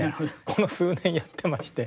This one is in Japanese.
この数年やってまして。